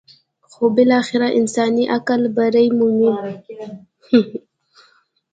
خو بالاخره انساني عقل برۍ مومي.